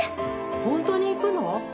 本当に行くの？